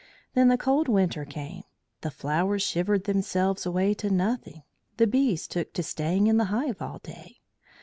Then the cold winter came. The flowers shivered themselves away to nothing, the bees took to staying in the hive all day.